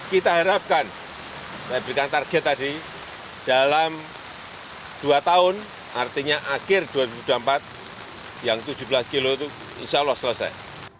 kita harapkan saya berikan target tadi dalam dua tahun artinya akhir dua ribu dua puluh empat yang tujuh belas kilo itu insya allah selesai